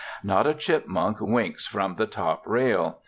Not a chipmunk winks from the top rail.